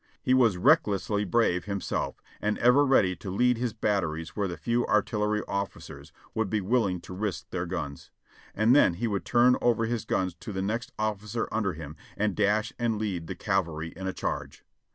He was recklessly brave himself, and ever ready to lead his batteries where few artillery officers would be willing to risk their guns, and then he would turn over his guns to the next officer under him and dash and lead the cavalry in a charge.